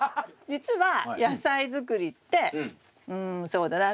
実は野菜作りってうんそうだな